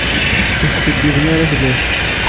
Ur skiddiben ara fell-ak.